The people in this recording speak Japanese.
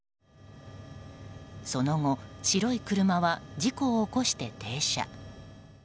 その後白い車は事故を起こして停車。